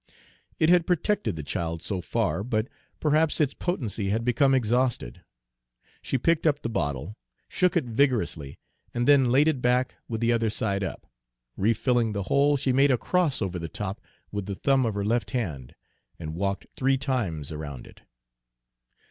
It had protected the child so far; but perhaps its potency had become exhausted. She picked up the bottle, shook it vigorously, and then laid it back, with the other side up. Refilling the hole, she made a cross over the top with the thumb of her left hand, and walked three times around it.